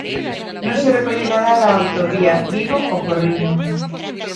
Non se recolle nada da autovía Vigo-O Porriño.